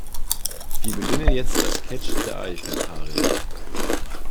Wir beginnen jetzt das "Catch-the-Eye"Verfahren.